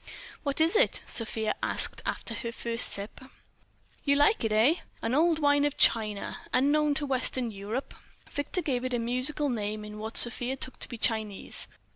"What is it?" Sofia asked after her first sip. "You like it, eh? An old wine of China, unknown to Western Europe." Victor gave it a musical name in what Sofia took to be Chinese.